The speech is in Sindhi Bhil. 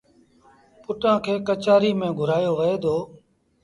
پُٽآݩ کي ڪچهريٚ ميݩ گھُرآيو وهي دو